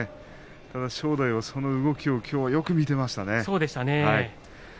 ただ正代、その動きをきょうはよく見ていましたね。